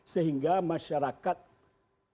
sehingga masyarakat terkutuk